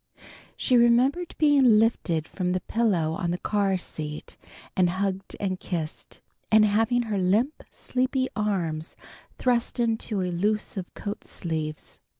She remembered being lifted from the pillow on the car seat, and hugged and kissed, and having her limp, sleepy arms thrust into elusive coat sleeves.